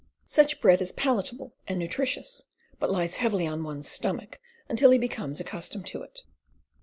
Such bread is palatable and nutritious, but lies heavily on one's stomach until he becomes accustomed to it.